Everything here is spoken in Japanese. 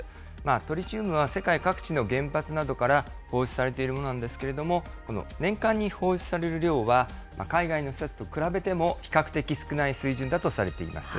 トリチウムは世界各地の原発などから放出されているものなんですけれども、この年間に放出される量は、海外の施設と比べても比較的少ない水準だとされています。